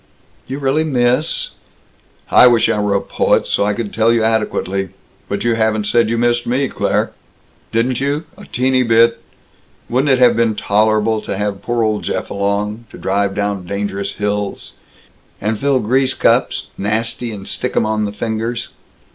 "You really miss " "I wish I were a poet, so I could tell you adequately. But you haven't said you missed me, Claire. Didn't you, a teeny bit? Wouldn't it have been tolerable to have poor old Jeff along, to drive down dangerous hills " "And fill grease cups! Nasty and stickum on the fingers!"